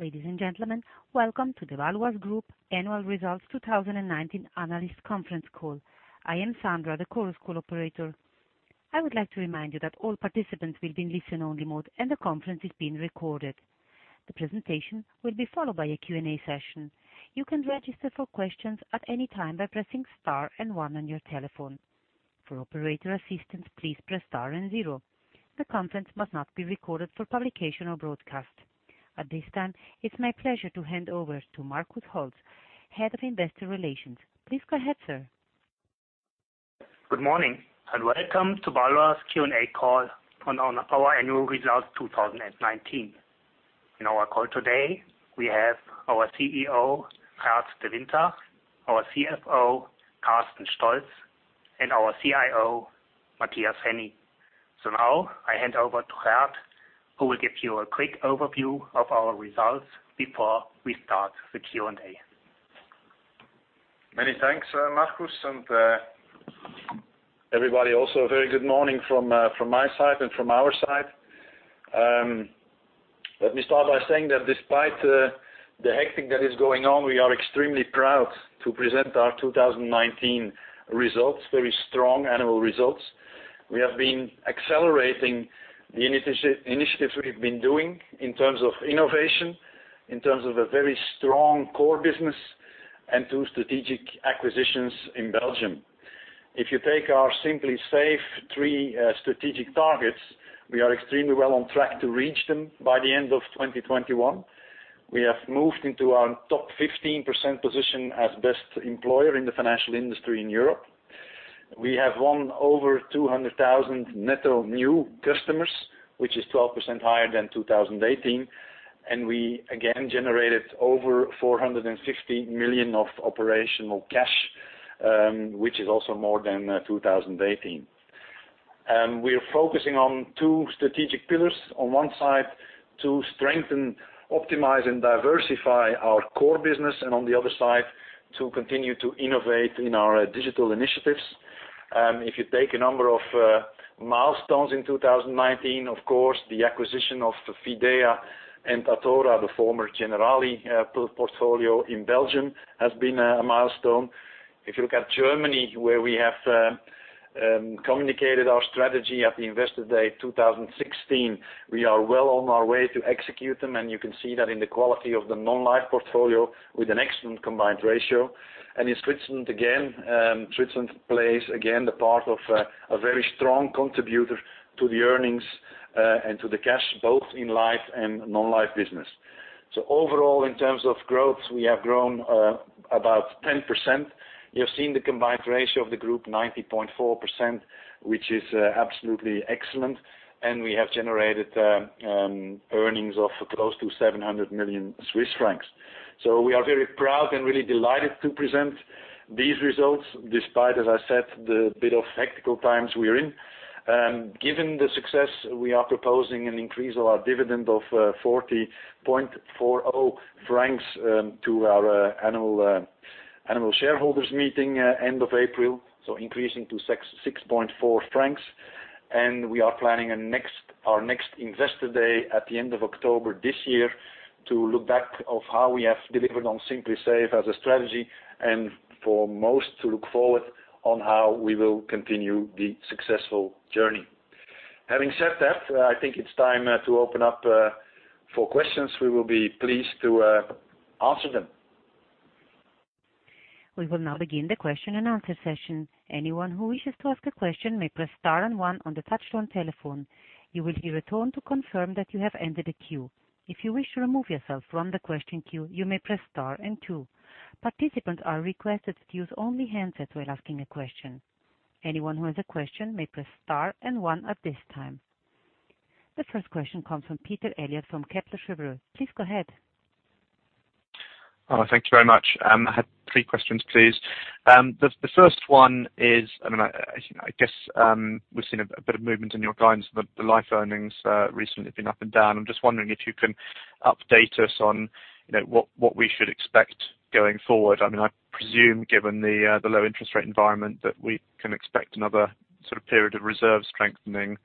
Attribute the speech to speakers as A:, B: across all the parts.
A: Ladies and gentlemen, Welcome to the Bâloise Group Annual Results 2019 Analyst Conference Call. I am Sandra, the Chorus Call operator. I would like to remind you that all participants will be in listen-only mode, and the conference is being recorded. The presentation will be followed by a Q&A session. You can register for questions at any time by pressing star and one on your telephone. For operator assistance, please press star and zero. The conference must not be recorded for publication or broadcast. At this time, it's my pleasure to hand over to Markus Holtz, Head of Investor Relations. Please go ahead, sir.
B: Good morning, Welcome to Bâloise Q&A Call on our Annual Results 2019. In our call today, we have our CEO, Gert De Winter, our CFO, Carsten Stolz, and our CIO, Matthias Henny. Now, I hand over to Gert, who will give you a quick overview of our results before we start the Q&A.
C: Many thanks, Markus, and everybody, also, a very good morning from my side and from our side. Let me start by saying that despite the hectic that is going on, we are extremely proud to present our 2019 results, very strong annual results. We have been accelerating the initiatives we've been doing in terms of innovation, in terms of a very strong core business, and two strategic acquisitions in Belgium. If you take our Simply Safe three strategic targets, we are extremely well on track to reach them by the end of 2021. We have moved into our top 15% position as best employer in the financial industry in Europe. We have won over 200,000 net new customers, which is 12% higher than 2018, and we again generated over 450 million of operational cash, which is also more than 2018. We are focusing on two strategic pillars. On one side, to strengthen, optimize, and diversify our core business, and on the other side, to continue to innovate in our digital initiatives. If you take a number of milestones in 2019, of course, the acquisition of Fidea and Athora, the former Generali portfolio in Belgium, has been a milestone. If you look at Germany, where we have communicated our strategy at the Investor Day 2016, we are well on our way to execute them, and you can see that in the quality of the non-life portfolio with an excellent combined ratio. In Switzerland, again, Switzerland plays the part of a very strong contributor to the earnings, and to the cash, both in life and non-life business. Overall, in terms of growth, we have grown about 10%. You have seen the combined ratio of the group, 90.4%, which is absolutely excellent, and we have generated earnings of close to 700 million Swiss francs. We are very proud and really delighted to present these results, despite, as I said, the bit of hectic times we are in. Given the success, we are proposing an increase of our dividend of 40.40 francs to our annual shareholders meeting end of April, so increasing to 6.4 francs. We are planning our next Investor Day at the end of October this year to look back of how we have delivered on Simply Safe as a strategy, and foremost to look forward on how we will continue the successful journey. Having said that, I think it's time to open up for questions. We will be pleased to answer them.
A: We will now begin the question and answer session. Anyone who wishes to ask a question may press star and one on the touch-tone telephone. You will hear a tone to confirm that you have entered a queue. If you wish to remove yourself from the question queue, you may press star and two. Participants are requested to use only handsets while asking a question. Anyone who has a question may press star and one at this time. The first question comes from Peter Eliot from Kepler Cheuvreux. Please go ahead.
D: Thanks very much. I had three questions, please. First one is, I guess, we've seen a bit of movement in your guidance, the life earnings recently have been up and down. I'm just wondering if you can update us on what we should expect going forward. I presume given the low interest rate environment that we can expect another period of reserve strengthening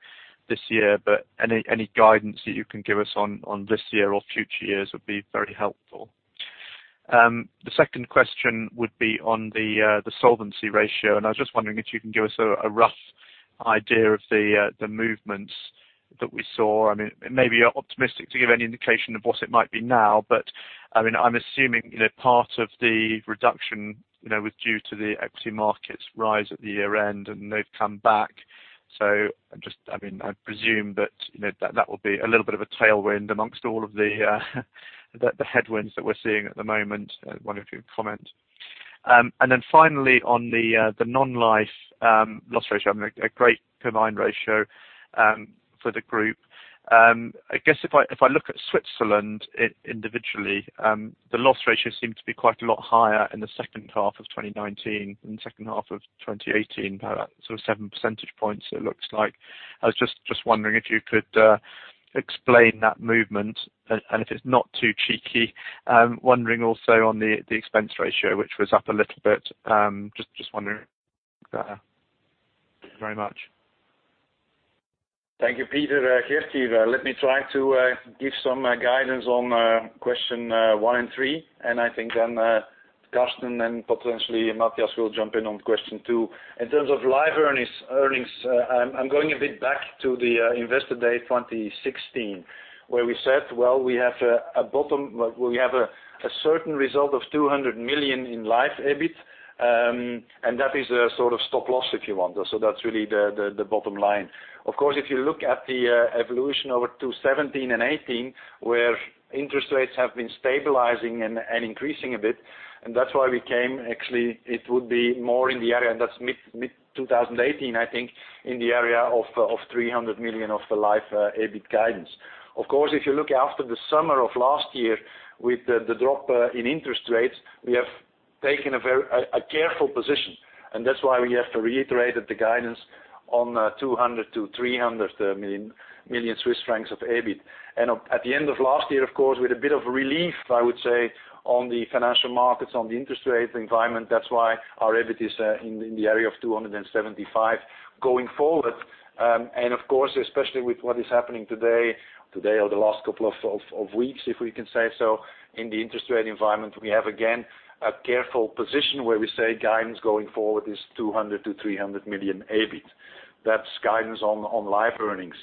D: this year, any guidance that you can give us on this year or future years would be very helpful. Second question would be on the solvency ratio, I was just wondering if you can give us a rough idea of the movements that we saw. It may be optimistic to give any indication of what it might be now, I'm assuming part of the reduction was due to the equity market's rise at the year-end, they've come back. I presume that will be a little bit of a tailwind amongst all of the headwinds that we're seeing at the moment. I wonder if you would comment. Finally, on the non-life loss ratio, a great combined ratio for the group. I guess if I look at Switzerland individually, the loss ratio seemed to be quite a lot higher in the second half of 2019 than the second half of 2018, about seven percentage points it looks like. I was just wondering if you could explain that movement, and if it's not too cheeky, wondering also on the expense ratio, which was up a little bit. Just wondering there. Thank you very much.
C: Thank you, Peter. Let me try to give some guidance on question one and three, and I think then Carsten and potentially Matthias will jump in on question two. In terms of life earnings, I'm going a bit back to the Investor Day 2016, where we said, well, we have a certain result of 200 million in life EBIT, and that is a sort of stop-loss, if you want. That's really the bottom line. Of course, if you look at the evolution over 2017 and 2018, where interest rates have been stabilizing and increasing a bit, and that's why we came, actually, it would be more in the area, that's mid-2018, I think, in the area of 300 million of the life EBIT guidance. Of course, if you look after the summer of last year with the drop in interest rates, we have taken a careful position, and that's why we have reiterated the guidance on 200 million-300 million Swiss francs of EBIT. At the end of last year, of course, with a bit of relief, I would say, on the financial markets, on the interest rate environment, that's why our EBIT is in the area of 275 going forward. Of course, especially with what is happening today or the last couple of weeks, if we can say so, in the interest rate environment, we have, again, a careful position where we say guidance going forward is 200 million-300 million EBIT. That's guidance on live earnings.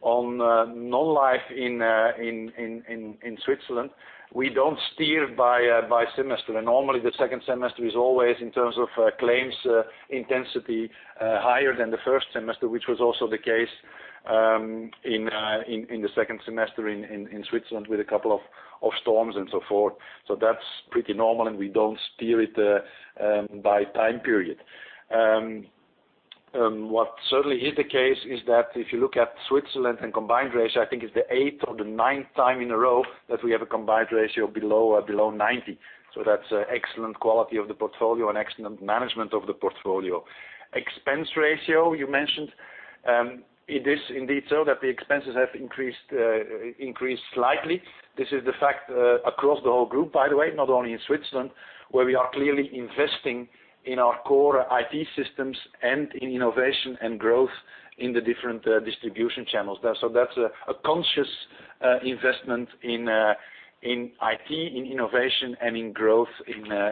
C: On non-life in Switzerland, we don't steer by semester. Normally, the second semester is always, in terms of claims intensity, higher than the first semester, which was also the case in the second semester in Switzerland with a couple of storms and so forth. That's pretty normal, and we don't steer it by time period. What certainly is the case is that if you look at Switzerland and combined ratio, I think it's the eighth or the ninth time in a row that we have a combined ratio below 90. That's excellent quality of the portfolio and excellent management of the portfolio. Expense ratio you mentioned. It is indeed so that the expenses have increased slightly. This is the fact across the whole group, by the way, not only in Switzerland, where we are clearly investing in our core IT systems and in innovation and growth in the different distribution channels there. That's a conscious investment in IT, in innovation, and in growth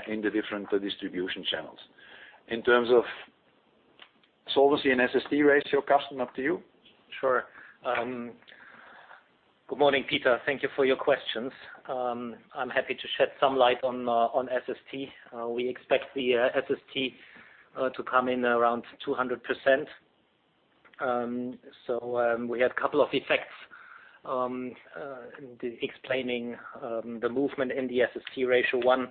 C: in the different distribution channels. In terms of solvency and SST ratio, Carsten, up to you.
E: Sure. Good morning, Peter. Thank you for your questions. I'm happy to shed some light on SST. We expect the SST to come in around 200%. We had a couple of effects explaining the movement in the SST ratio. One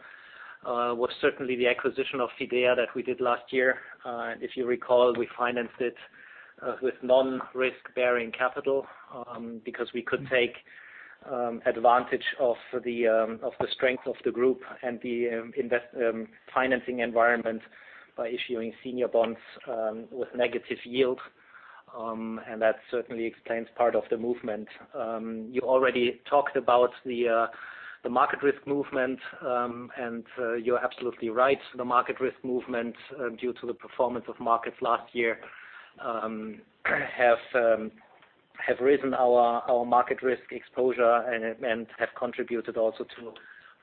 E: was certainly the acquisition of Fidea that we did last year. If you recall, we financed it with non-risk-bearing capital because we could take advantage of the strength of the group and the financing environment by issuing senior bonds with negative yield. That certainly explains part of the movement. You already talked about the market risk movement, you're absolutely right. The market risk movement, due to the performance of markets last year, have risen our market risk exposure and have contributed also to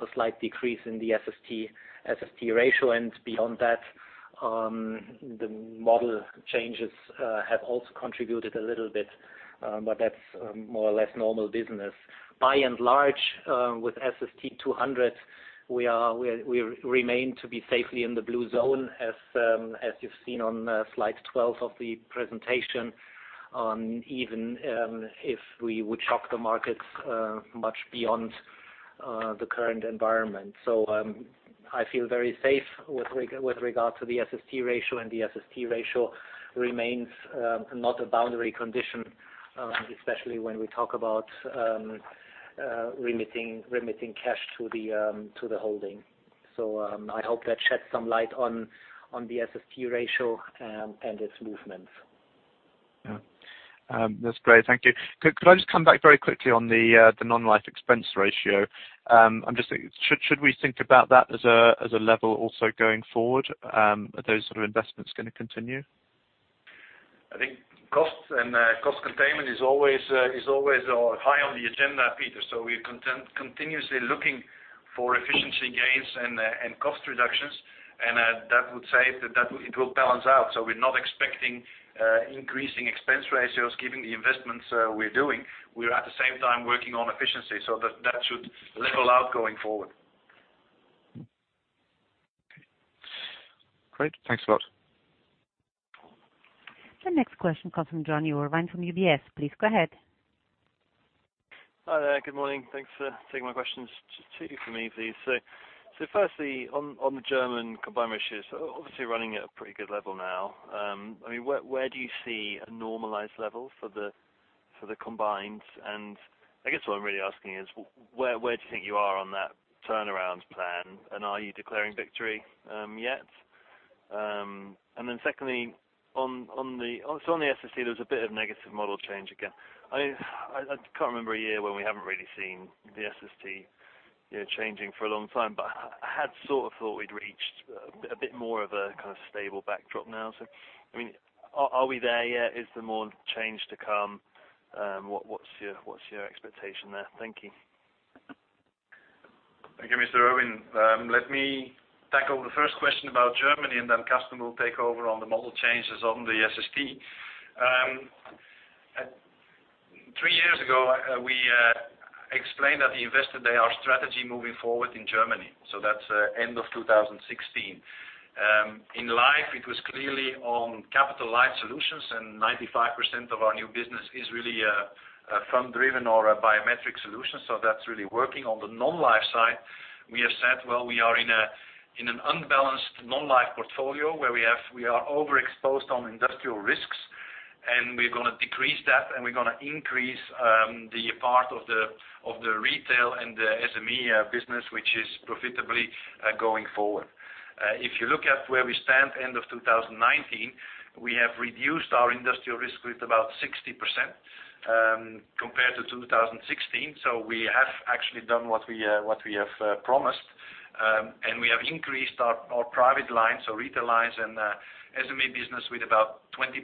E: a slight decrease in the SST ratio. Beyond that, the model changes have also contributed a little bit, but that's more or less normal business. By and large, with SST 200, we remain to be safely in the blue zone, as you've seen on slide 12 of the presentation, even if we would shock the markets much beyond the current environment. I feel very safe with regard to the SST ratio, and the SST ratio remains not a boundary condition, especially when we talk about remitting cash to the Holding. I hope that sheds some light on the SST ratio and its movements.
D: Yeah. That's great. Thank you. Could I just come back very quickly on the non-life expense ratio? Should we think about that as a level also going forward? Are those sort of investments going to continue?
C: I think cost and cost containment is always high on the agenda, Peter. We're continuously looking for efficiency gains and cost reductions, and that would say that it will balance out. We're not expecting increasing expense ratios, given the investments we're doing. We're at the same time working on efficiency, so that should level out going forward.
D: Okay. Great. Thanks a lot.
A: The next question comes from Jonny Urwin from UBS. Please go ahead.
F: Hi there. Good morning. Thanks for taking my questions. Two for me, please. Firstly, on the German combined ratios, obviously running at a pretty good level now. Where do you see a normalized level for the combined? I guess what I'm really asking is, where do you think you are on that turnaround plan, and are you declaring victory yet? Secondly, on the SST, there was a bit of negative model change again. I can't remember a year when we haven't really seen the SST changing for a long time, I had sort of thought we'd reached a bit more of a kind of stable backdrop now. Are we there yet? Is there more change to come? What's your expectation there? Thank you.
C: Thank you, Mr. Urwin. Let me tackle the first question about Germany, then Carsten will take over on the model changes on the SST. Three years ago, we explained at the Investor Day our strategy moving forward in Germany. That's end of 2016. In life, it was clearly on capital light solutions, 95% of our new business is really fee-driven or biometric solutions. That's really working. On the non-life side, we have said, well, we are in an unbalanced non-life portfolio where we are overexposed on industrial risks, we're going to decrease that, we're going to increase the part of the retail and the SME business, which is profitably going forward. If you look at where we stand end of 2019, we have reduced our industrial risk with about 60% compared to 2016. We have actually done what we have promised. We have increased our private lines, so retail lines and SME business with about 20%.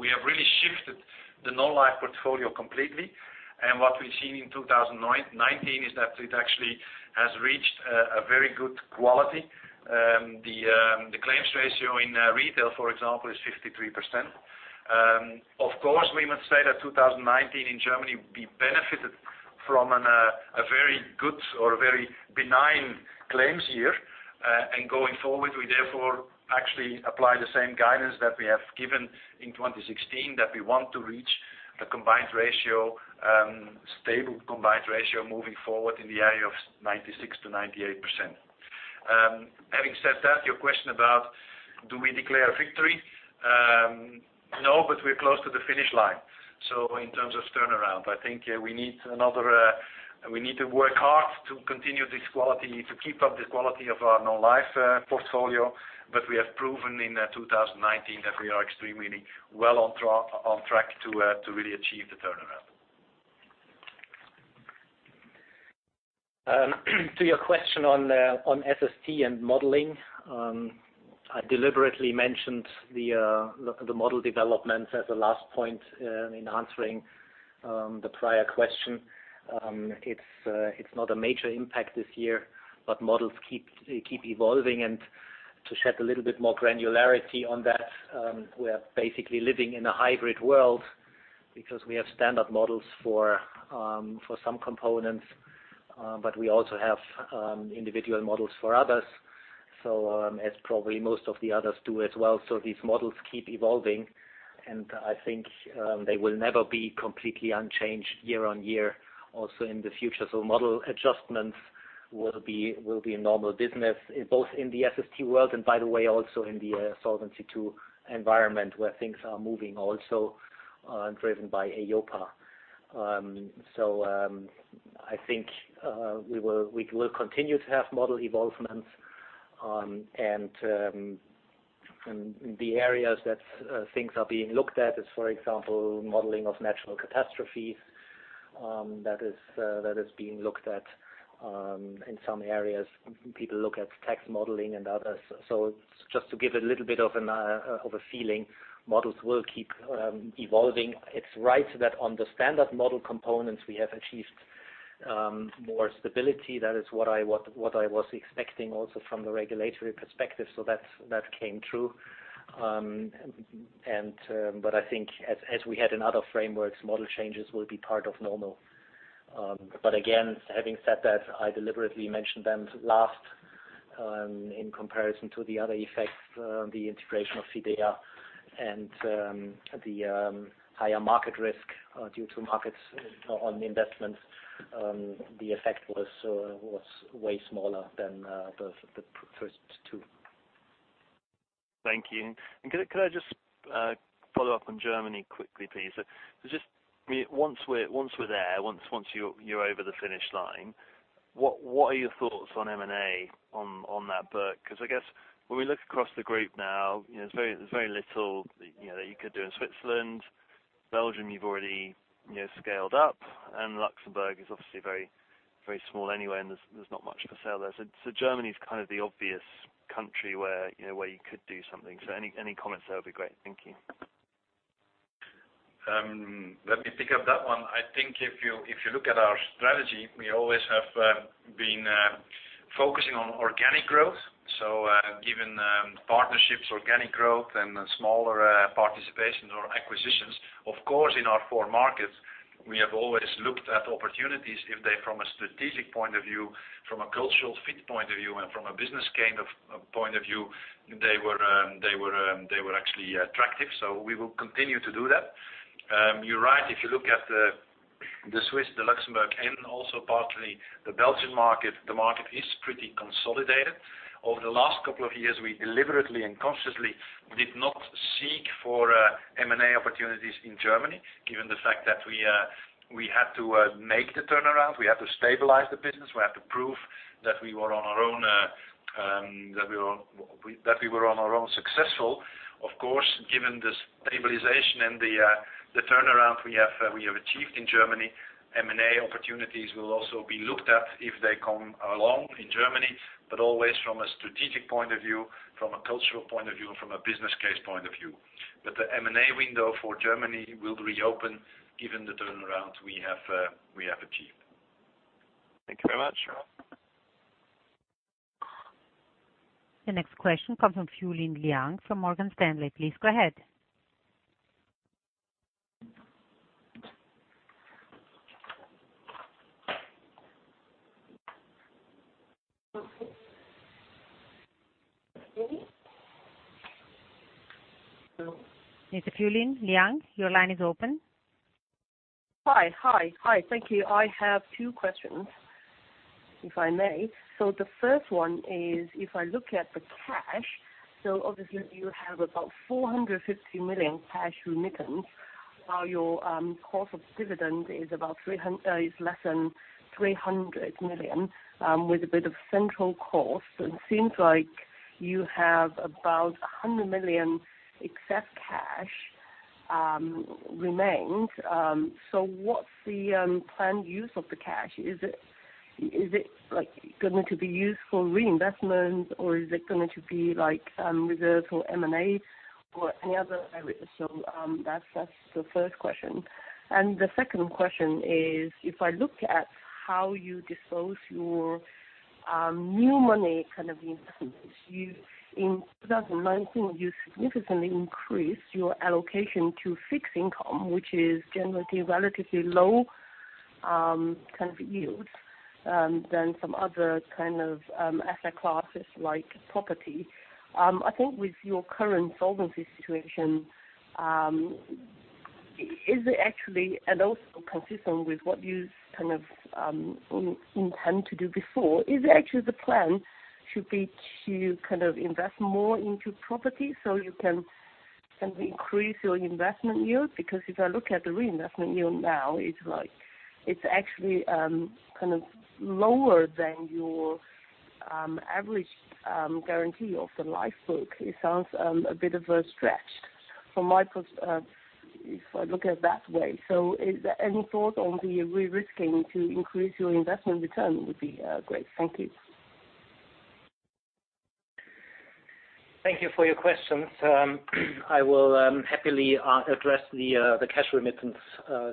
C: We have really shifted the non-life portfolio completely. What we've seen in 2019 is that it actually has reached a very good quality. The claims ratio in retail, for example, is 53%. Of course, we must say that 2019 in Germany benefited from a very good or very benign claims year. Going forward, we therefore actually apply the same guidance that we have given in 2016 that we want to reach a stable combined ratio moving forward in the area of 96%-98%. Having said that, your question about do we declare victory? No, but we're close to the finish line. In terms of turnaround, I think we need to work hard to continue this quality, to keep up the quality of our non-life portfolio. We have proven in 2019 that we are extremely well on track to really achieve the turnaround.
E: To your question on SST and modeling, I deliberately mentioned the model development as a last point in answering the prior question. It's not a major impact this year, but models keep evolving. To shed a little bit more granularity on that, we are basically living in a hybrid world because we have standard models for some components, but we also have individual models for others, as probably most of the others do as well. These models keep evolving, and I think they will never be completely unchanged year on year, also in the future. Model adjustments will be a normal business both in the SST world and by the way, also in the Solvency II environment where things are moving also driven by EIOPA. I think we will continue to have model evolvements, and the areas that things are being looked at is, for example, modeling of natural catastrophes. That is being looked at in some areas. People look at tax modeling and others. Just to give a little bit of a feeling, models will keep evolving. It's right that on the standard model components, we have achieved more stability. That is what I was expecting also from the regulatory perspective. That came true. I think as we had in other frameworks, model changes will be part of normal. Again, having said that, I deliberately mentioned them last in comparison to the other effects, the integration of Fidea and the higher market risk due to markets on investments. The effect was way smaller than the first two.
F: Thank you. Could I just follow up on Germany quickly, please? Just, once we're there, once you're over the finish line, what are your thoughts on M&A on that book? Because I guess when we look across the group now, there's very little that you could do in Switzerland. Belgium, you've already scaled up. Luxembourg is obviously very small anyway, and there's not much for sale there. Germany is kind of the obvious country where you could do something. Any comments there would be great. Thank you.
C: Let me pick up that one. I think if you look at our strategy, we always have been focusing on organic growth. Given partnerships, organic growth, and smaller participation or acquisitions, of course, in our four markets, we have always looked at opportunities if they from a strategic point of view, from a cultural fit point of view, and from a business gain of point of view, they were actually attractive. We will continue to do that. You're right. If you look at the Swiss, the Luxembourg, and also partly the Belgian market, the market is pretty consolidated. Over the last couple of years, we deliberately and consciously did not seek for M&A opportunities in Germany, given the fact that we had to make the turnaround. We have to stabilize the business. We have to prove that we were on our own successful. Of course, given the stabilization and the turnaround we have achieved in Germany. M&A opportunities will also be looked at if they come along in Germany, but always from a strategic point of view, from a cultural point of view, and from a business case point of view. The M&A window for Germany will reopen given the turnaround we have achieved.
F: Thank you very much.
A: The next question comes from Fulin Liang from Morgan Stanley. Please go ahead. Ms. Fulin Liang, your line is open.
G: Hi. Thank you. I have two questions, if I may. The first one is, if I look at the cash, obviously you have about 450 million cash remittance, while your cost of dividend is less than 300 million, with a bit of central cost. It seems like you have about 100 million excess cash remains. What's the planned use of the cash? Is it going to be used for reinvestment, or is it going to be reserved for M&A or any other area? That's the first question. The second question is, if I look at how you dispose your new money kind of instances. In 2019, you significantly increased your allocation to fixed income, which is generally relatively low kind of yields, than some other kind of asset classes like property. I think with your current solvency situation, also consistent with what you kind of intend to do before, is actually the plan should be to invest more into property so you can increase your investment yield? If I look at the reinvestment yield now, it is actually lower than your average guarantee of the Lifebook. It sounds a bit of a stretch if I look at that way. Any thought on the re-risking to increase your investment return would be great. Thank you.
E: Thank you for your questions. I will happily address the cash remittance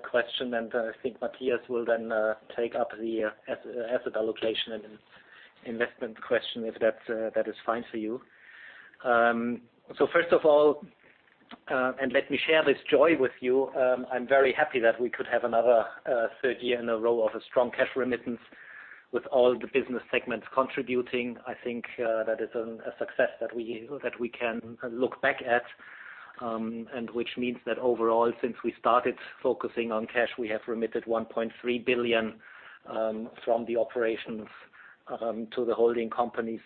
E: question, and I think Matthias will then take up the asset allocation and investment question, if that is fine for you. First of all, let me share this joy with you. I am very happy that we could have another third year in a row of a strong cash remittance with all the business segments contributing. I think that is a success that we can look back at, and which means that overall, since we started focusing on cash, we have remitted 1.3 billion from the operations to the holding company.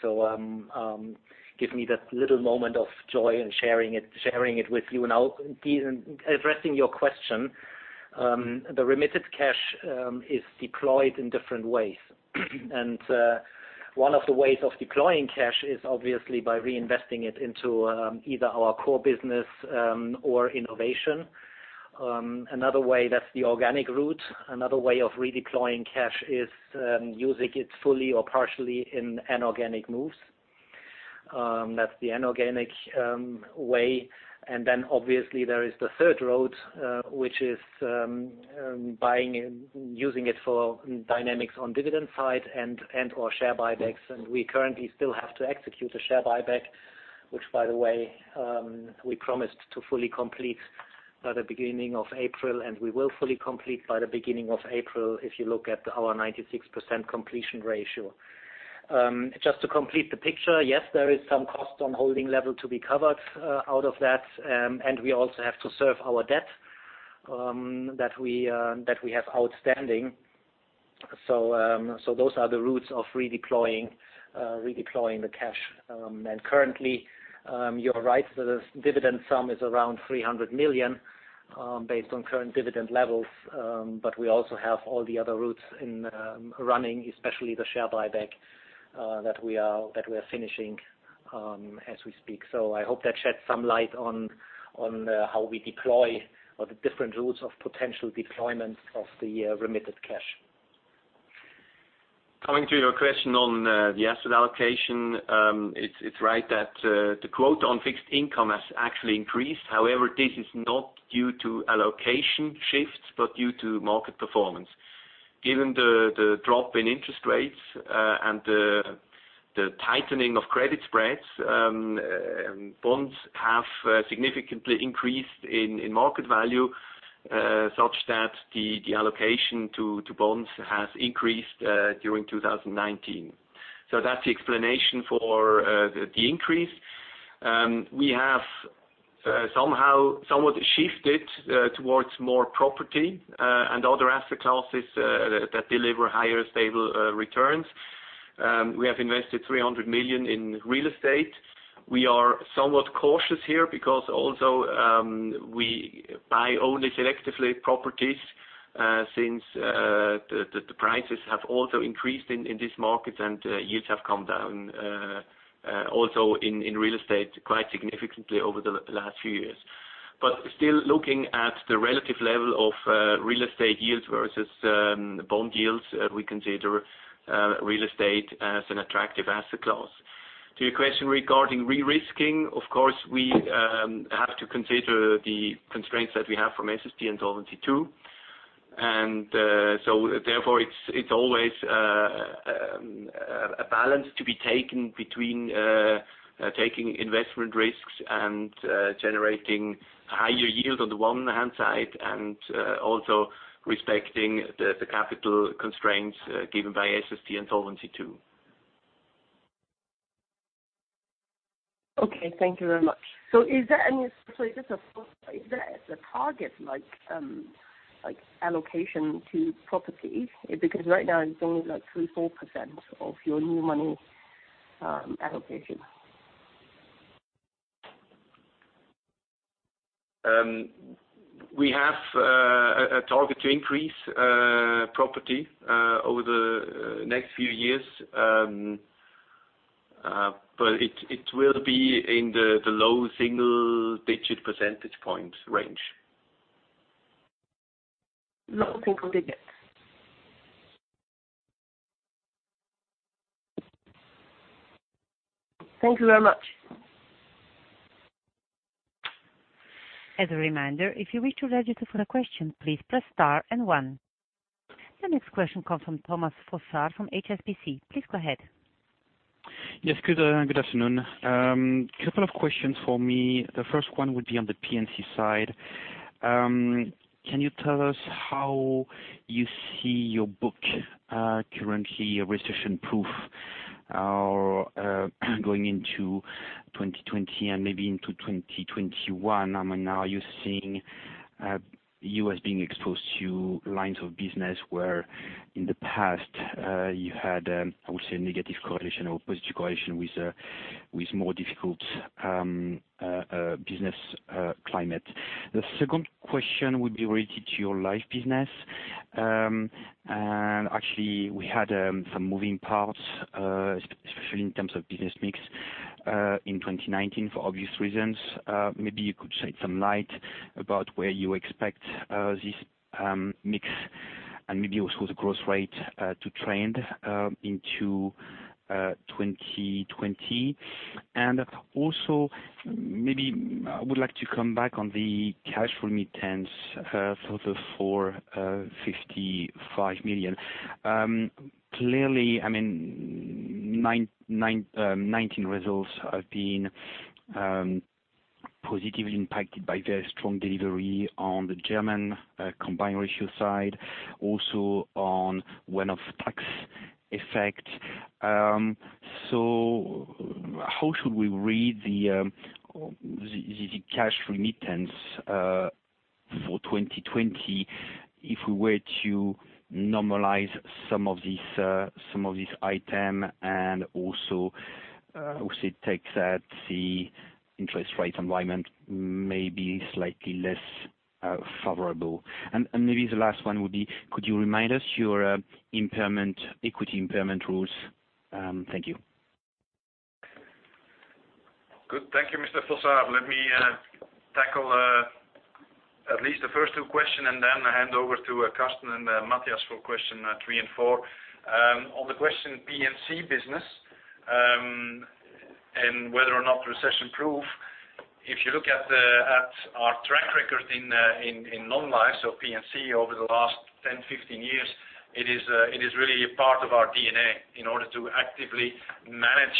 E: Give me that little moment of joy and sharing it with you. Now addressing your question. The remitted cash is deployed in different ways. One of the ways of deploying cash is obviously by reinvesting it into either our core business or innovation. Another way, that's the organic route. Another way of redeploying cash is using it fully or partially in inorganic moves. That's the inorganic way. Then obviously there is the third road, which is buying and using it for dynamics on dividend side and/or share buybacks. We currently still have to execute a share buyback, which by the way, we promised to fully complete by the beginning of April, and we will fully complete by the beginning of April if you look at our 96% completion ratio. Just to complete the picture, yes, there is some cost on holding level to be covered out of that. We also have to serve our debt that we have outstanding. Those are the routes of redeploying the cash. Currently, you're right, the dividend sum is around 300 million, based on current dividend levels. We also have all the other routes in running, especially the share buyback, that we are finishing as we speak. I hope that sheds some light on how we deploy or the different routes of potential deployment of the remitted cash.
H: Coming to your question on the asset allocation. It's right that the quote on fixed income has actually increased. This is not due to allocation shifts, but due to market performance. Given the drop in interest rates and the tightening of credit spreads, bonds have significantly increased in market value, such that the allocation to bonds has increased during 2019. That's the explanation for the increase. We have somewhat shifted towards more property and other asset classes that deliver higher stable returns. We have invested 300 million in real estate. We are somewhat cautious here because also we buy only selectively properties, since the prices have also increased in this market and yields have come down, also in real estate quite significantly over the last few years. [But] still looking at the relative level of real estate yields versus bond yields, we consider real estate as an attractive asset class. To your question regarding re-risking, of course, we have to consider the constraints that we have from SST and Solvency II. Therefore it's always a balance to be taken between taking investment risks and generating higher yield on the one hand side, and also respecting the capital constraints given by SST and Solvency II.
G: Okay, thank you very much. Sorry, just a follow-up. Is there a target like allocation to property? Right now it's only like 3%, 4% of your new money allocation.
H: We have a target to increase property over the next few years. It will be in the low single-digit percentage points range.
G: Low single digits. Thank you very much.
A: As a reminder, if you wish to register for a question, please press star and one. The next question comes from Thomas Fossard from HSBC. Please go ahead.
I: Yes, good afternoon. Couple of questions for me. The first one would be on the P&C side. Can you tell us how you see your book currently recession-proof or going into 2020 and maybe into 2021? I mean, are you seeing you as being exposed to lines of business, where in the past, you had, I would say, a negative correlation or positive correlation with more difficult business climate. The second question would be related to your life business. Actually, we had some moving parts, especially in terms of business mix, in 2019 for obvious reasons. Maybe you could shed some light about where you expect this mix and maybe also the growth rate to trend into 2020. Also, maybe I would like to come back on the cash remittance for the 455 million. Clearly, 2019 results have been positively impacted by very strong delivery on the German combined ratio side, also on one-off tax effect. How should we read the cash remittance for 2020 if we were to normalize some of these items and also take that the interest rate environment may be slightly less favorable. Maybe the last one would be, could you remind us your equity impairment rules? Thank you.
C: Good. Thank you, Mr. Fossard. Let me tackle at least the first two question, then I hand over to Carsten and Matthias for question three and four. On the question P&C business, whether or not recession-proof. If you look at our track record in non-life, so P&C over the last 10, 15 years, it is really a part of our DNA in order to actively manage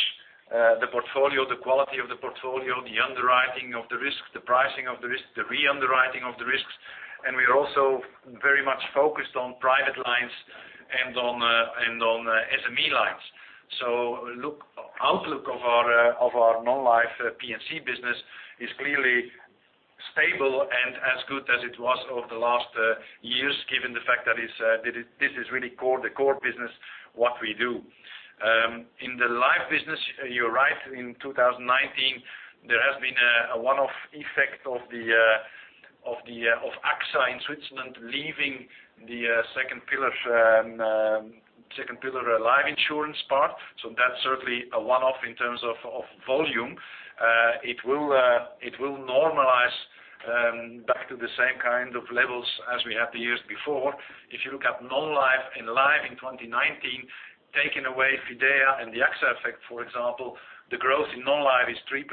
C: the portfolio, the quality of the portfolio, the underwriting of the risk, the pricing of the risk, the re-underwriting of the risks. We are also very much focused on private lines and on SME lines. Outlook of our non-life P&C business is clearly stable and as good as it was over the last years, given the fact that this is really the core business, what we do. In the life business, you are right, in 2019, there has been a one-off effect of AXA in Switzerland leaving the second pillar life insurance part. That's certainly a one-off in terms of volume. It will normalize back to the same kind of levels as we had the years before. If you look at non-life and life in 2019, taking away Fidea and the AXA effect, for example, the growth in non-life is 3%,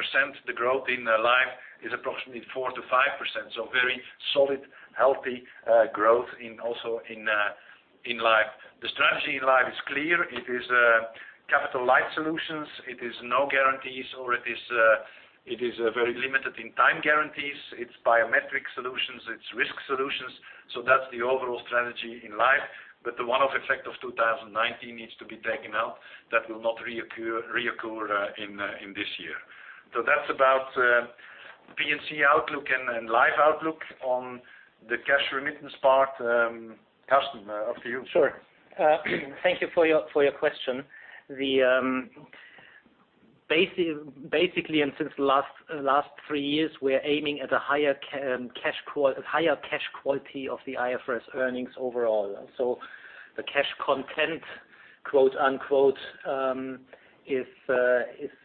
C: the growth in life is approximately 4%-5%, so very solid, healthy growth also in life. The strategy in life is clear. It is capital light solutions. It is no guarantees, or it is very limited in time guarantees. It's biometric solutions. It's risk solutions. That's the overall strategy in life. The one-off effect of 2019 needs to be taken out. That will not reoccur in this year. That's about P&C outlook and life outlook. On the cash remittance part, Carsten, over to you.
E: Sure. Thank you for your question. Basically, since the last three years, we're aiming at a higher cash quality of the IFRS earnings overall. The cash content, quote-unquote, "is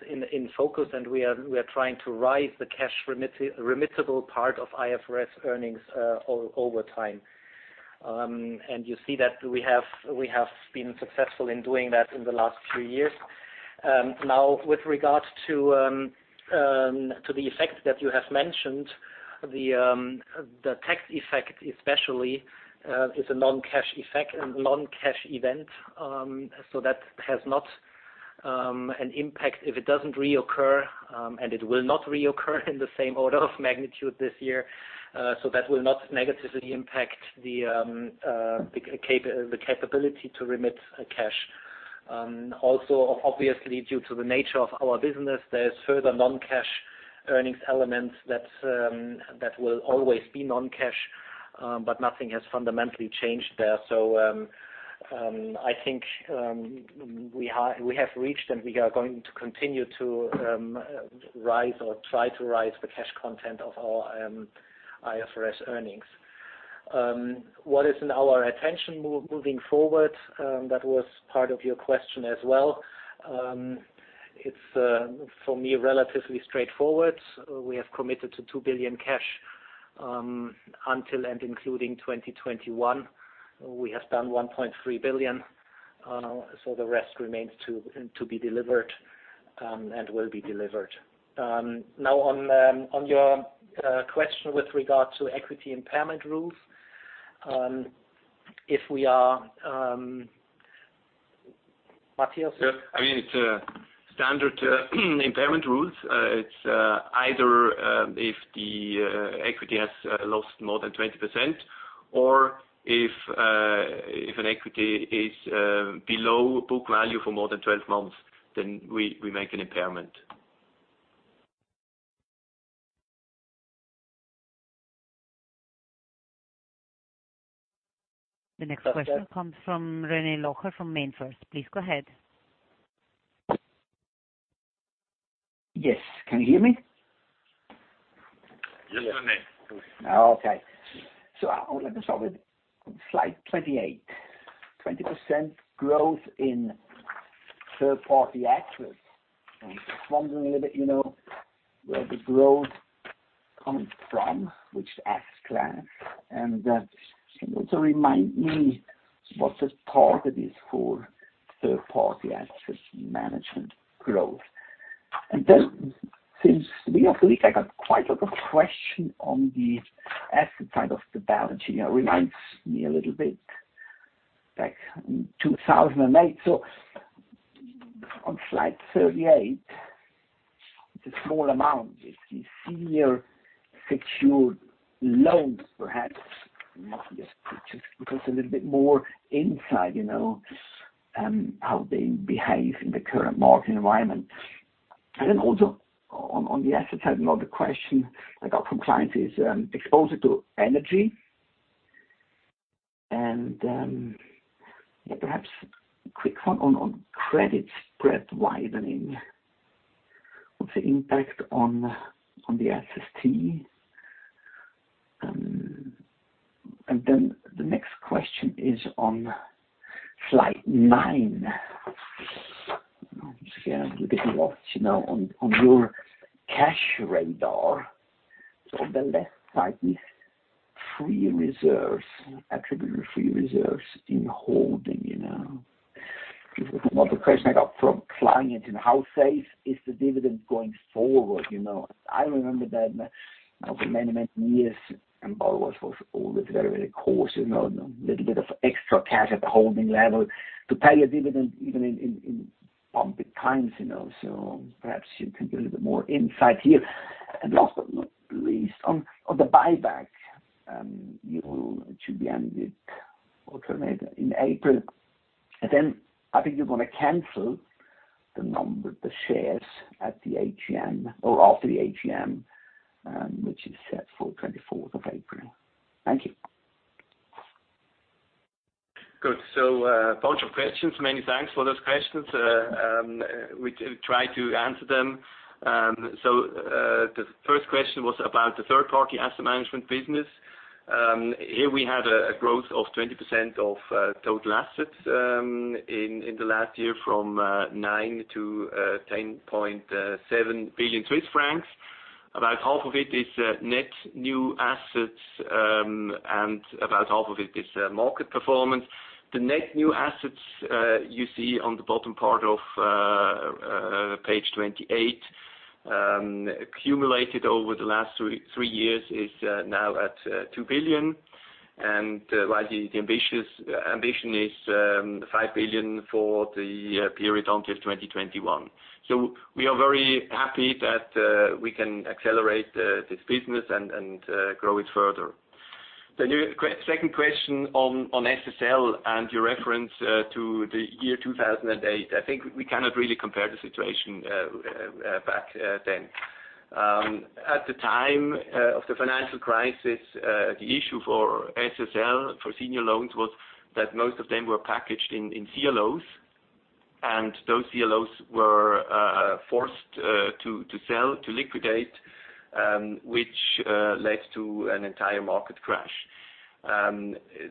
E: in focus," We are trying to raise the cash remittable part of IFRS earnings over time. You see that we have been successful in doing that in the last few years. Now, with regards to the effect that you have mentioned, the tax effect especially, is a non-cash effect and non-cash event. That has not an impact if it doesn't reoccur, It will not reoccur in the same order of magnitude this year. That will not negatively impact the capability to remit cash. Also, obviously, due to the nature of our business, there's further non-cash earnings elements that will always be non-cash, Nothing has fundamentally changed there. I think we have reached and we are going to continue to rise or try to rise the cash content of our IFRS earnings. What is in our attention moving forward? That was part of your question as well. It's, for me, relatively straightforward. We have committed to 2 billion cash, until and including 2021. We have done 1.3 billion. The rest remains to be delivered, and will be delivered. On your question with regard to equity impairment rules. If we are, Matthias?
H: Yeah. It's standard impairment rules. It's either if the equity has lost more than 20%, or if an equity is below book value for more than 12 months, then we make an impairment.
A: The next question comes from René Locher from MainFirst. Please go ahead.
J: Yes. Can you hear me?
H: Yes, René.
J: Okay. Let me start with slide 28. 20% growth in third-party assets. I am just wondering a bit, where the growth coming from, which asset class, and can you also remind me what the target is for third-party asset management growth? Since the beginning of the week, I got quite a lot of question on the asset side of the balance sheet. It reminds me a little bit back in 2008. On slide 38, it's a small amount. If you see your secured loans, perhaps, not just because a little bit more insight, how they behave in the current market environment. Also on the asset side, another question I got from clients is exposure to energy, perhaps quick on credit spread widening. What's the impact on the SST? The next question is on slide nine. I'm just looking what's on your cash radar. On the left side, with free reserves, attributable free reserves in Holding. This is another question I got from clients, how safe is the dividend going forward? I remember that over many, many years Bâloise was always very, very cautious, a little bit of extra cash at the Holding level to pay a dividend even in bumpy times. Perhaps you can give a little bit more insight here. Last but not least, on the buyback. It should be ended in April. I think you're going to cancel the number, the shares at the AGM or after the AGM, which is set for 24th of April. Thank you.
H: Good. A bunch of questions. Many thanks for those questions. We try to answer them. The first question was about the third-party asset management business. Here we had a growth of 20% of total assets in the last year from 9 billion-10.7 billion Swiss francs. About half of it is net new assets, and about half of it is market performance. The net new assets you see on the bottom part of page 28, accumulated over the last three years, is now at 2 billion. While the ambition is 5 billion for the period until 2021. We are very happy that we can accelerate this business and grow it further. The second question on SSL and your reference to the year 2008, I think we cannot really compare the situation back then. At the time of the financial crisis, the issue for SSL, for senior loans, was that most of them were packaged in CLOs. Those CLOs were forced to sell, to liquidate, which led to an entire market crash.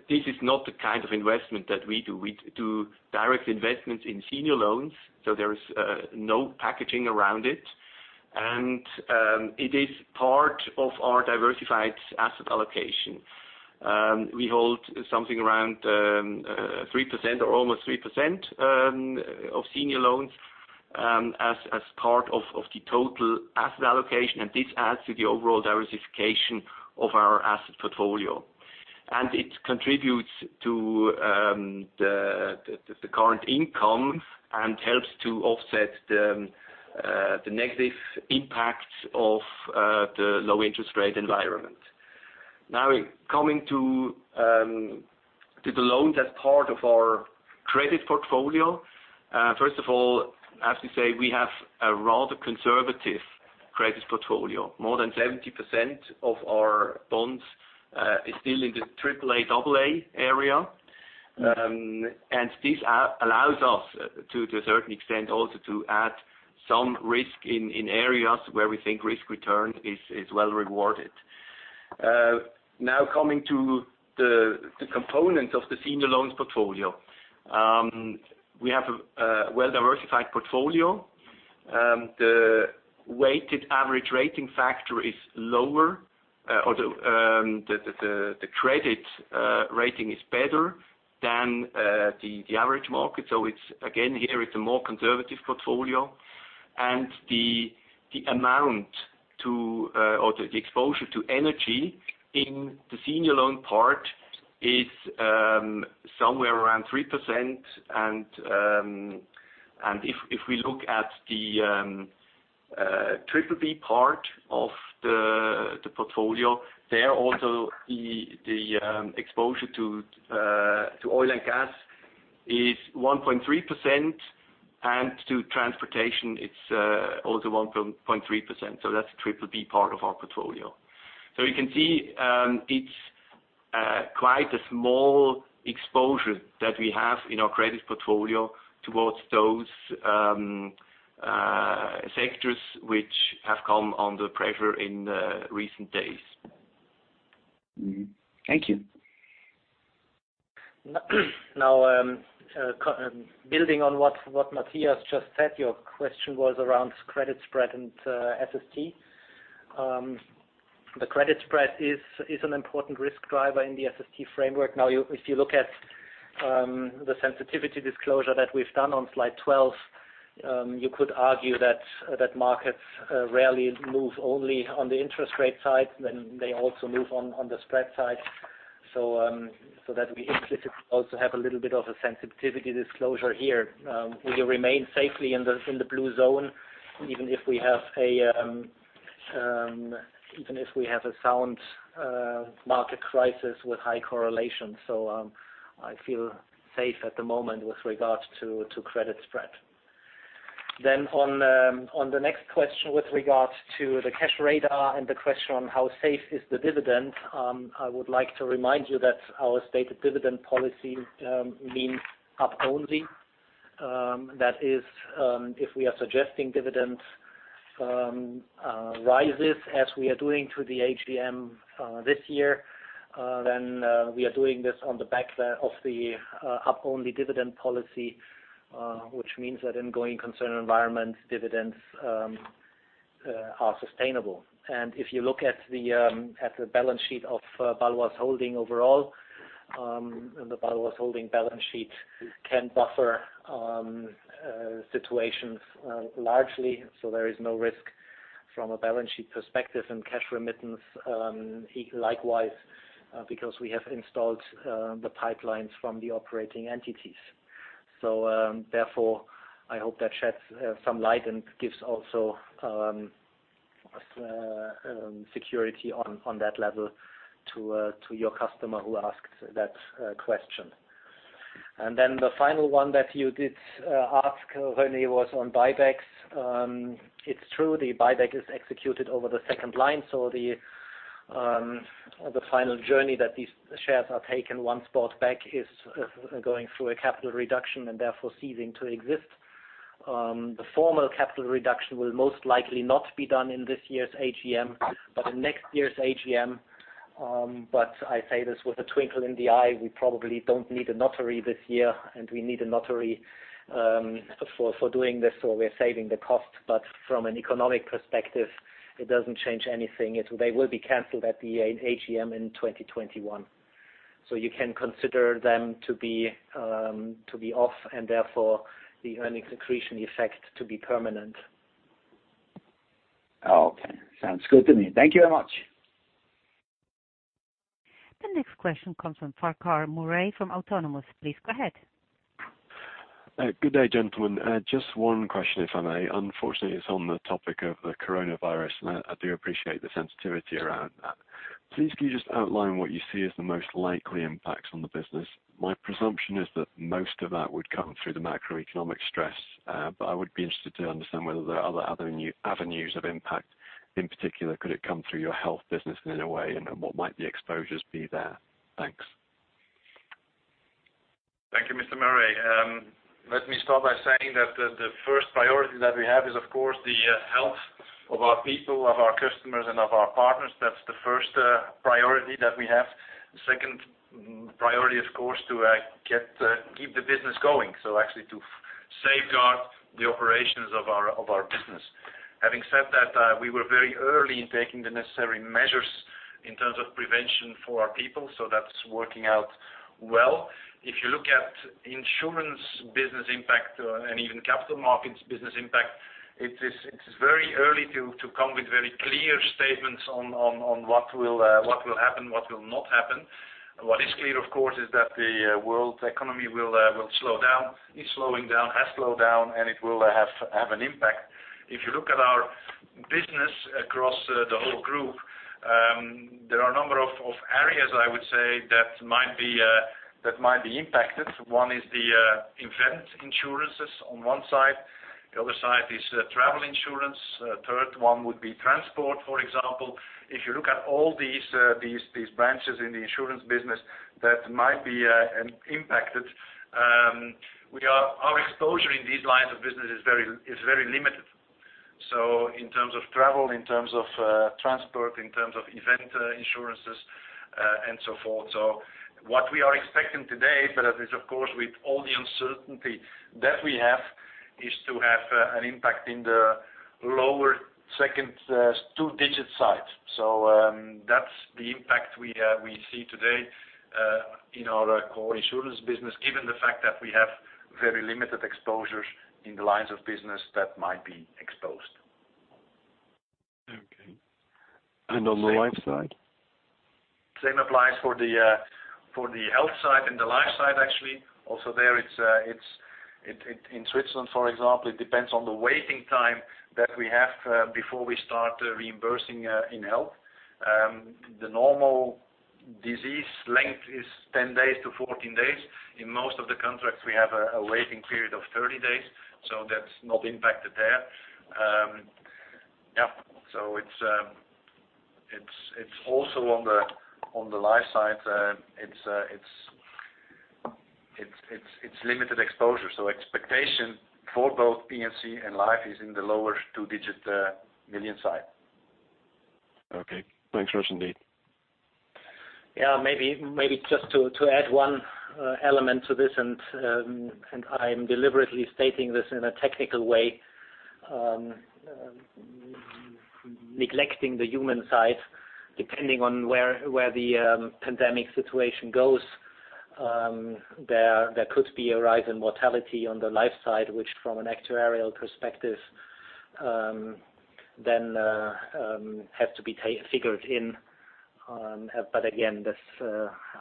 H: This is not the kind of investment that we do. We do direct investments in senior loans, so there is no packaging around it, and it is part of our diversified asset allocation. We hold something around 3% or almost 3% of senior loans as part of the total asset allocation, and this adds to the overall diversification of our asset portfolio. It contributes to the current income and helps to offset the negative impacts of the low interest rate environment. Coming to the loans as part of our credit portfolio. First of all, as we say, we have a rather conservative credit portfolio. More than 70% of our bonds is still in the AAA, AA area. This allows us, to a certain extent, also to add some risk in areas where we think risk return is well rewarded. Coming to the components of the senior loans portfolio. We have a well-diversified portfolio. The weighted average rating factor is lower, although the credit rating is better than the average market. Again, here it's a more conservative portfolio. The amount or the exposure to energy in the senior loan part is somewhere around 3%. If we look at the BBB part of the portfolio, there also, the exposure to oil and gas is 1.3%, and to transportation, it's also 1.3%. That's the BBB part of our portfolio. You can see it's quite a small exposure that we have in our credit portfolio towards those sectors which have come under pressure in recent days.
J: Mm-hmm. Thank you.
E: [Now, umm,] building on what Matthias just said, your question was around credit spread and SST. The credit spread is an important risk driver in the SST framework. If you look at the sensitivity disclosure that we've done on slide 12, you could argue that markets rarely move only on the interest rate side, then they also move on the spread side. That we implicitly also have a little bit of a sensitivity disclosure here. We will remain safely in the blue zone, even if we have a sound market crisis with high correlation. I feel safe at the moment with regards to credit spread. [Then] on the next question with regards to the cash radar and the question on how safe is the dividend, I would like to remind you that our stated dividend policy means up only. That is, if we are suggesting dividend rises as we are doing to the AGM this year, then we are doing this on the back of the up-only dividend policy, which means that in going concern environments, dividends are sustainable. If you look at the balance sheet of Bâloise Holding overall, the Bâloise Holding balance sheet can buffer situations largely, so there is no risk from a balance sheet perspective and cash remittance, likewise, because we have installed the pipelines from the operating entities. Therefore, I hope that sheds some light and gives also security on that level to your customer who asked that question. [And then, on] the final one that you did ask, René, was on buybacks. It is true, the buyback is executed over the second line. The final journey that these shares are taken once bought back is going through a capital reduction and therefore ceasing to exist. The formal capital reduction will most likely not be done in this year's AGM, but in next year's AGM. I say this with a twinkle in the eye, we probably don't need a notary this year, and we need a notary for doing this, we are saving the cost. From an economic perspective, it doesn't change anything. They will be canceled at the AGM in 2021. You can consider them to be off, and therefore the earnings accretion effect to be permanent.
J: Okay. Sounds good to me. Thank you very much.
A: The next question comes from Farquhar Murray from Autonomous. Please go ahead.
K: Good day, gentlemen. Just one question, if I may. Unfortunately, it's on the topic of the coronavirus, and I do appreciate the sensitivity around that. Please, can you just outline what you see as the most likely impacts on the business? My presumption is that most of that would come through the macroeconomic stress, but I would be interested to understand whether there are other avenues of impact. In particular, could it come through your health business in a way, and what might the exposures be there? Thanks.
C: Thank you, Farquhar Murray. Let me start by saying that the first priority that we have is, of course, the health of our people, of our customers, and of our partners. That's the first priority that we have. The second priority, of course, to keep the business going. Actually to safeguard the operations of our business. Having said that, we were very early in taking the necessary measures in terms of prevention for our people, so that's working out well. If you look at insurance business impact and even capital markets business impact, it is very early to come with very clear statements on what will happen, what will not happen. What is clear, of course, is that the world's economy will slow down, is slowing down, has slowed down, and it will have an impact. If you look at our business across the whole group, there are a number of areas, I would say, that might be impacted. One is the event insurances on one side. The other side is travel insurance. Third one would be transport, for example. If you look at all these branches in the insurance business that might be impacted, our exposure in these lines of business is very limited. In terms of travel, in terms of transport, in terms of event insurances, and so forth. What we are expecting today, but as of course with all the uncertainty that we have, is to have an impact in the lower 2-digit side. That's the impact we see today in our core insurance business, given the fact that we have very limited exposures in the lines of business that might be exposed.
K: Okay. On the life side?
C: Same applies for the health side and the life side, actually. In Switzerland, for example, it depends on the waiting time that we have before we start reimbursing in health. The normal disease length is 10 days-14 days. In most of the contracts, we have a waiting period of 30 days, so that's not impacted there. It's also on the life side, it's limited exposure. Expectation for both P&C and life is in the lower two-digit million side.
K: Okay. Thanks very much indeed.
E: Maybe just to add one element to this, I'm deliberately stating this in a technical way, neglecting the human side. Depending on where the pandemic situation goes, there could be a rise in mortality on the life side, which from an actuarial perspective, then have to be figured in. Again,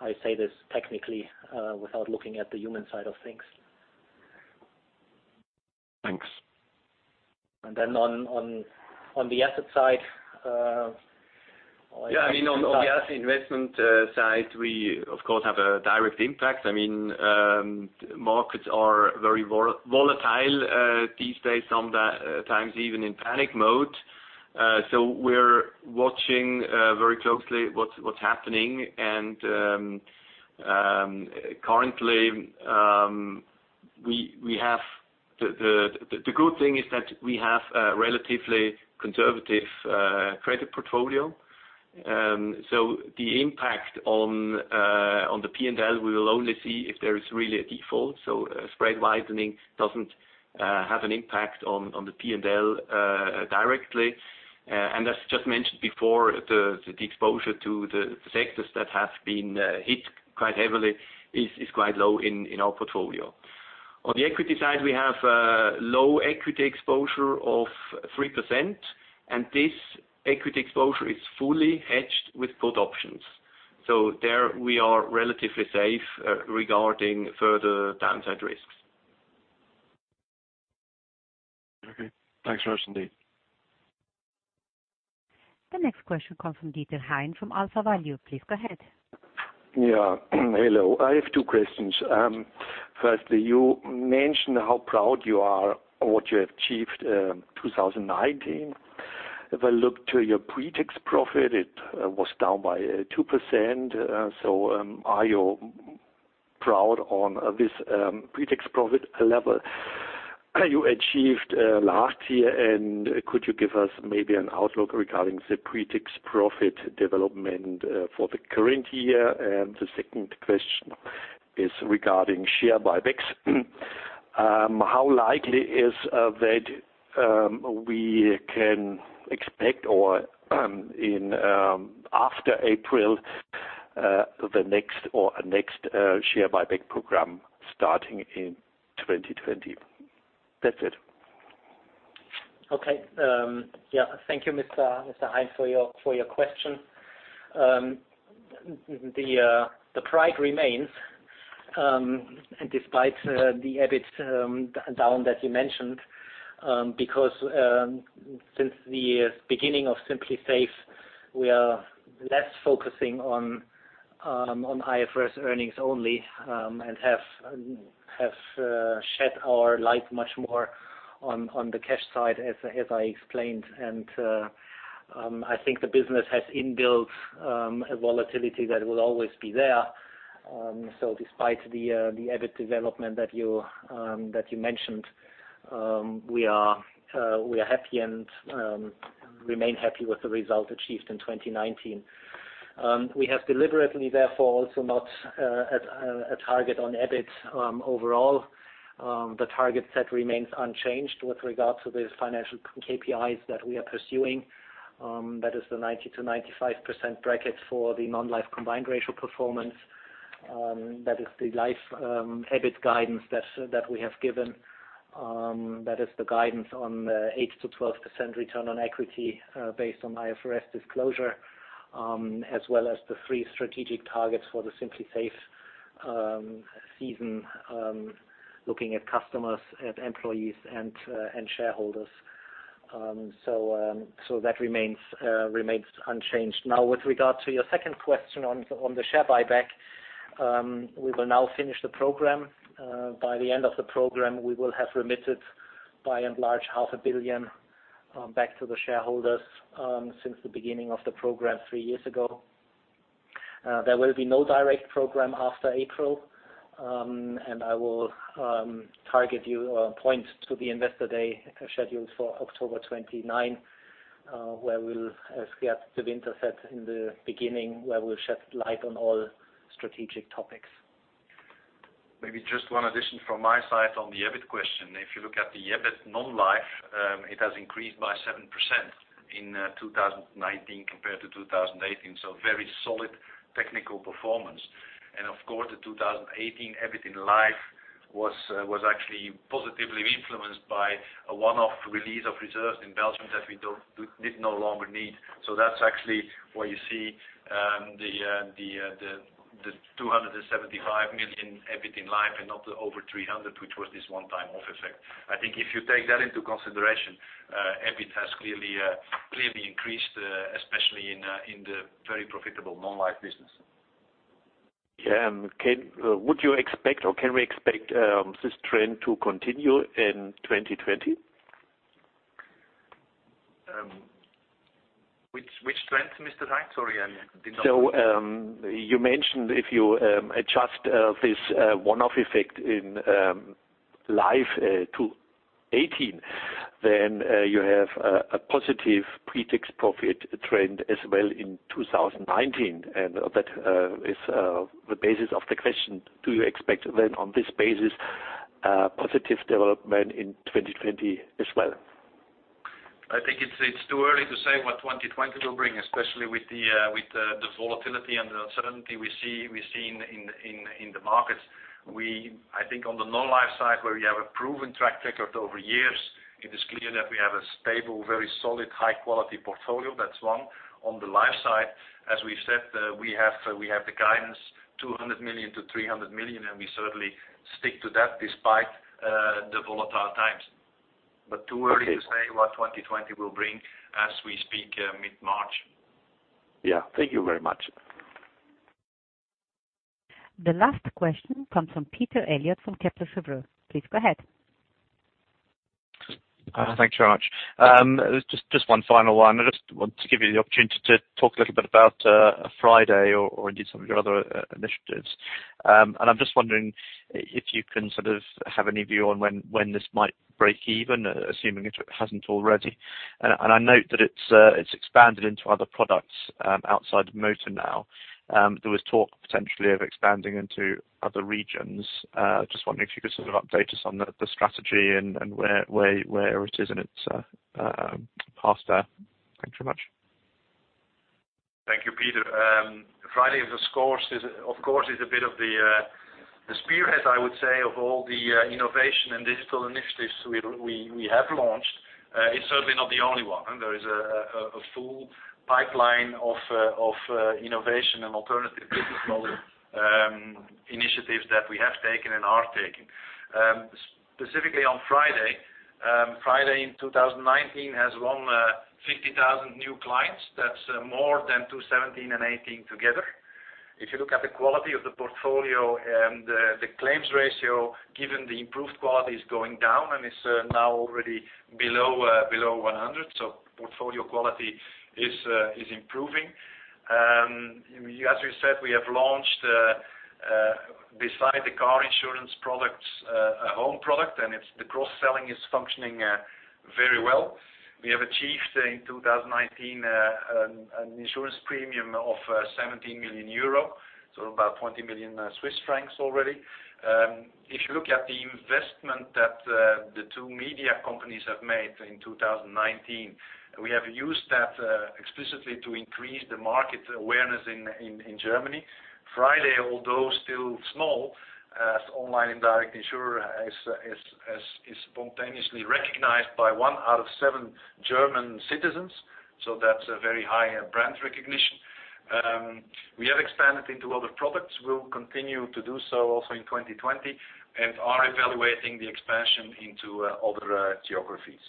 E: I say this technically, without looking at the human side of things.
K: Thanks.
E: [Then] on the asset side.
H: Yeah, on the asset investment side, we of course have a direct impact. Markets are very volatile these days, sometimes even in panic mode. We're watching very closely what's happening, and currently, the good thing is that we have a relatively conservative credit portfolio. The impact on the P&L, we will only see if there is really a default. Spread widening doesn't have an impact on the P&L directly. As just mentioned before, the exposure to the sectors that have been hit quite heavily is quite low in our portfolio. On the equity side, we have a low equity exposure of 3%, and this equity exposure is fully hedged with put options. There we are relatively safe regarding further downside risks.
K: Okay, thanks very much indeed.
A: The next question comes from Dieter Hein from AlphaValue. Please go ahead.
L: Yeah. Hello. I have two questions. Firstly, you mentioned how proud you are of what you achieved 2019. If I look to your pretax profit, it was down by 2%. Are you proud on this pretax profit level you achieved last year? Could you give us maybe an outlook regarding the pretax profit development for the current year? The second question is regarding share buybacks. How likely is that we can expect or, after April, the next share buyback program starting in 2020? That's it.
E: Okay. Yeah. Thank you, Mr. Hein, for your question. The pride remains. Despite the EBIT down that you mentioned, because since the beginning of Simply Safe, we are less focusing on IFRS earnings only and have shed our light much more on the cash side, as I explained. I think the business has inbuilt a volatility that will always be there. Despite the EBIT development that you mentioned, we are happy and remain happy with the result achieved in 2019. We have deliberately, therefore, also not a target on EBIT. Overall, the target set remains unchanged with regard to the financial KPIs that we are pursuing. That is the 90%-95% bracket for the non-life combined ratio performance. That is the life EBIT guidance that we have given. That is the guidance on 8%-12% return on equity based on IFRS disclosure, as well as the three strategic targets for the Simply Safe season, looking at customers, at employees, and shareholders. That remains unchanged. Now, with regard to your second question on the share buyback, we will now finish the program. By the end of the program, we will have remitted by and large half a billion back to the shareholders since the beginning of the program three years ago. There will be no direct program after April. I will target you points to the Investor Day scheduled for October 29, where as Gert De Winter said in the beginning, where we'll shed light on all strategic topics.
C: Maybe just one addition from my side on the EBIT question. If you look at the EBIT non-life, it has increased by 7% in 2019 compared to 2018, so very solid technical performance. Of course, the 2018 EBIT in life was actually positively influenced by a one-off release of reserves in Belgium that we did no longer need. That's actually why you see the 275 million EBIT in life and not the over 300, which was this one-time off effect. I think if you take that into consideration, EBIT has clearly increased, especially in the very profitable non-life business.
L: Would you expect, or can we expect this trend to continue in 2020?
C: Which trend, Mr. Hein? I did not.
L: You mentioned if you adjust this one-off effect in life to 2018, then you have a positive pre-tax profit trend as well in 2019. That is the basis of the question. Do you expect, then, on this basis, a positive development in 2020 as well?
C: I think it's too early to say what 2020 will bring, especially with the volatility and the uncertainty we see in the markets. I think on the non-life side, where we have a proven track record over years, it is clear that we have a stable, very solid, high-quality portfolio. That's one. On the life side, as we've said, we have the guidance, 200 million-300 million, and we certainly stick to that despite the volatile times. Too early to say what 2020 will bring as we speak mid-March.
L: Yeah. Thank you very much.
A: The last question comes from Peter Eliot from Kepler Cheuvreux. Please go ahead.
D: Thanks very much. Just one final one. I just want to give you the opportunity to talk a little bit about FRIDAY or indeed some of your other initiatives. I'm just wondering if you can sort of have any view on when this might break even, assuming it hasn't already. I note that it's expanded into other products outside of motor now. There was talk potentially of expanding into other regions. Just wondering if you could sort of update us on the strategy and where it is in its path there. Thanks very much.
C: Thank you, Peter. FRIDAY, of course, is a bit of the spearhead, I would say, of all the innovation and digital initiatives we have launched. It's certainly not the only one. There is a full pipeline of innovation and alternative business model initiatives that we have taken and are taking. Specifically on FRIDAY in 2019 has won 50,000 new clients. That's more than 2017 and 2018 together. If you look at the quality of the portfolio and the claims ratio, given the improved quality is going down and is now already below 100, portfolio quality is improving. As we said, we have launched, beside the car insurance products, a home product, the cross-selling is functioning very well. We have achieved in 2019 an insurance premium of 17 million euro, about 20 million Swiss francs already. If you look at the investment that the two media companies have made in 2019, we have used that explicitly to increase the market awareness in Germany. FRIDAY, although still small, as online indirect insurer, is spontaneously recognized by one out of seven German citizens. That's a very high brand recognition. We have expanded into other products. We will continue to do so also in 2020, and are evaluating the expansion into other geographies.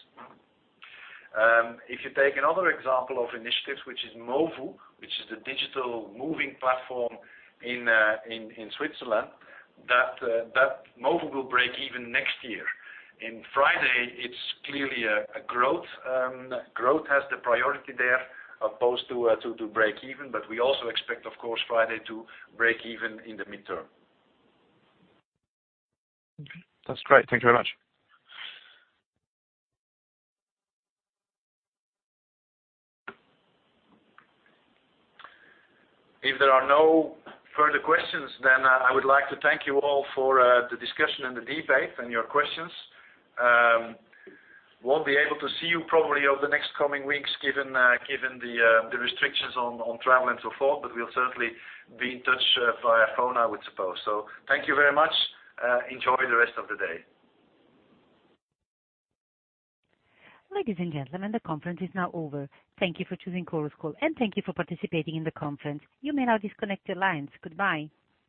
C: If you take another example of initiatives, which is MOVU, which is the digital moving platform in Switzerland, MOVU will break even next year. In FRIDAY, it's clearly a growth. Growth has the priority there opposed to break even, but we also expect, of course, FRIDAY to break even in the midterm.
D: Okay. That's great. Thank you very much.
C: If there are no further questions, I would like to thank you all for the discussion and the debate and your questions. Won't be able to see you probably over the next coming weeks given the restrictions on travel and so forth, but we'll certainly be in touch via phone, I would suppose. Thank you very much. Enjoy the rest of the day.
A: Ladies and gentlemen, the conference is now over. Thank you for choosing Chorus Call, and thank you for participating in the conference. You may now disconnect your lines. Goodbye.